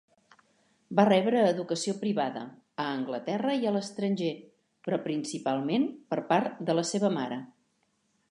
Va rebre educació privada, a Anglaterra i a l'estranger, però principalment per part de la seva mare.